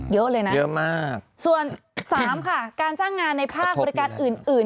เยอะเลยนะส่วน๓ค่ะการจ้างงานในภาคบริการอื่น